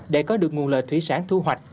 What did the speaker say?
để có được nguồn lợi thủy sản thu hoạch